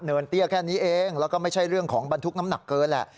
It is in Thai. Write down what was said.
เตี้ยแค่นี้เองแล้วก็ไม่ใช่เรื่องของบรรทุกน้ำหนักเกินแหละ